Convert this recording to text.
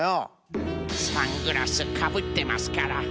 サングラスかぶってますから。